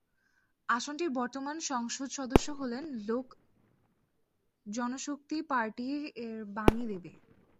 আসনটির বর্তমান সংসদ সদস্য হলেন লোক জন শক্তি পার্টি-এর বীণা দেবী।